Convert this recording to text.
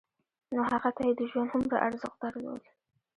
نو هغه ته يې د ژوند هومره ارزښت درلود.